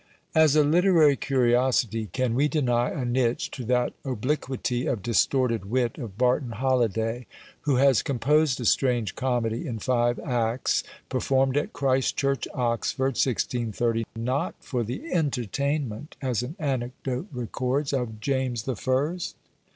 As a literary curiosity, can we deny a niche to that "obliquity of distorted wit," of Barton Holyday, who has composed a strange comedy, in five acts, performed at Christ Church, Oxford, 1630, not for the entertainment, as an anecdote records, of James the First?